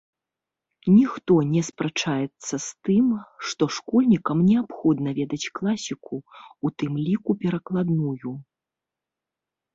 Ніхто не спрачаецца з тым, што школьнікам неабходна ведаць класіку, у тым ліку перакладную.